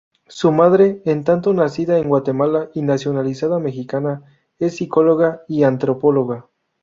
Su madre, en tanto, nacida en Guatemala y nacionalizada mexicana, es psicóloga y antropóloga.